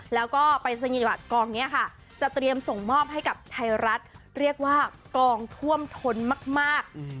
แล้วก็ปรายศนียบัตรกองนี้ค่ะจะเตรียมส่งมอบให้กับไทยรัฐเรียกว่ากองท่วมทนมาก